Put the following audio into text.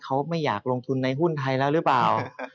เขาไม่อยากลงทุนในหุ้นไทยแล้วหรือเปล่า